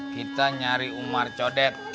kita nyari umar codet